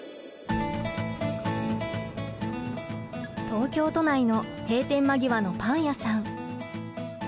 東京都内の閉店間際のパン屋さん。